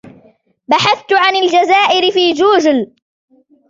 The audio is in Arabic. بحثت عن الجزائر في جوجل.